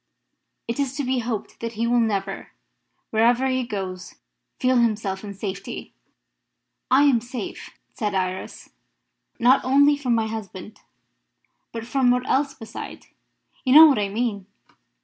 It is to be hoped that he will never, wherever he goes, feel himself in safety." "I am safe," said Iris, "not only from my husband, but from what else beside? You know what I mean.